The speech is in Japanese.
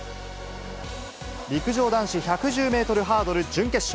陸上男子１１０メートルハードル準決勝。